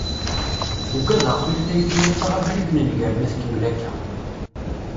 Uggadeɣ tutlayt-iw ad taɣ abrid n nnger ma tkemmel akka.